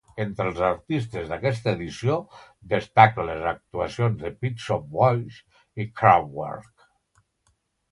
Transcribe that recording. Entre els artistes d'aquesta edició destaquen les actuacions de Pet Shop Boys i Kraftwerk.